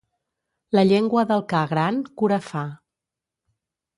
La llengua del ca gran cura fa.